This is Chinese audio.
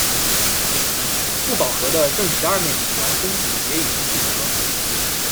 不饱和的正十二面体烷分子也已经制得。